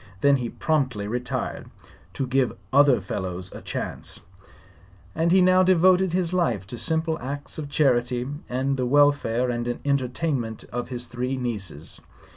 Then he promptly retired, "to give the other fellows a chance," and he now devoted his life to simple acts of charity and the welfare and entertainment of his three nieces.